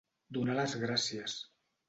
Donar les gràcies.